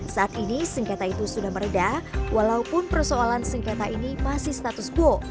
saat ini sengketa itu sudah meredah walaupun persoalan sengketa ini masih status quo